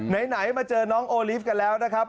ไหนมาเจอน้องโอลิฟต์กันแล้วนะครับ